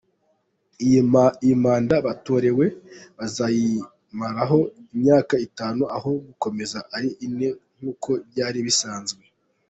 Iyi manda batorewe bazayimaraho imyaka itanu aho gukomeza ari ine nk’uko byari bisanzwe.